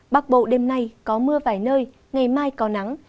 bắc bộ đêm nay có mưa vài nơi ngày mai có nắng